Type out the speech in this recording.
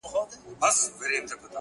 o د سترگو اوښکي دي خوړلي گراني .